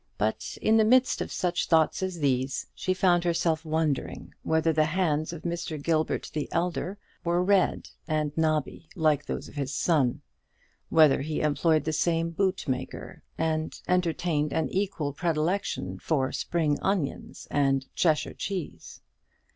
But in the midst of such thoughts as these, she found herself wondering whether the hands of Mr. Gilbert the elder were red and knobby like those of his son, whether he employed the same bootmaker, and entertained an equal predilection for spring onions and Cheshire cheese.